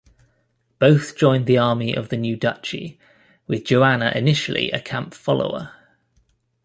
Both joined the army of the new Duchy, with Joanna initially a camp-follower.